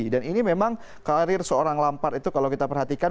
dan ini memang karir seorang lampard itu kalau kita perhatikan